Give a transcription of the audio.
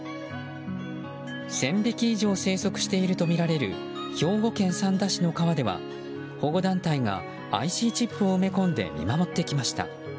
１０００匹以上生息しているとみられる兵庫県三田市の川では保護団体がＩＣチップを埋め込んで見守ってきました。